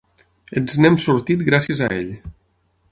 Ens n'hem sortit gràcies a ell.